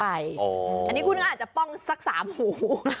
อันนี้คุณก็อาจจะป้องสัก๓หู